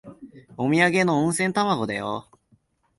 おみやげの温泉卵だよ。